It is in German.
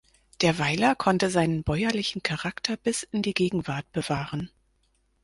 Der Weiler konnte seinen bäuerlichen Charakter bis in die Gegenwart bewahren.